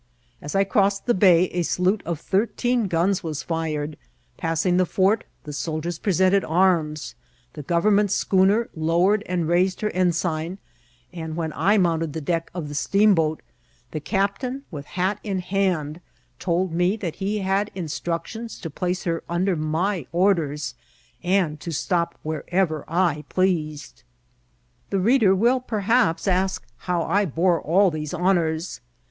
As I crossed the bay, a salute of thirteen guns was fired ; passing the fort, the soldiers presented arms, the goYernment schooner lowered and raised her en* sign, and when I mounted the deck of the steam* boat, the captain, with hat in hand, told me that he had instructions to place her under my orders, and to stop wherever I pleased. The reader will perhaps ask how I bore all these honours.